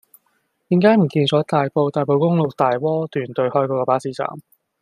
點解唔見左大埔大埔公路大窩段對開嗰個巴士站